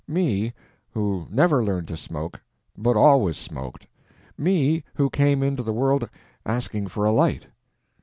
Me, who never learned to smoke, but always smoked; me, who came into the world asking for a light.